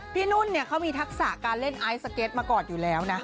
นุ่นเนี่ยเขามีทักษะการเล่นไอซ์สเก็ตมาก่อนอยู่แล้วนะ